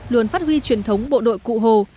luôn phát huy truyền thống bộ đội cụ hồ